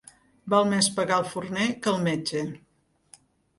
Val més pagar al forner que al metge.